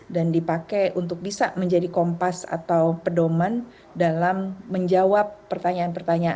dan dipakai untuk bisa menjadi kompas atau pedoman dalam menjawab pertanyaan pertanyaan